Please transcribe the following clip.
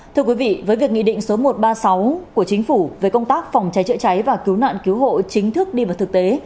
thưa quý vị với việc nghị định số một trăm ba mươi sáu của chính phủ về công tác phòng cháy chữa cháy và cứu nạn cứu hộ chính thức đi vào thực tế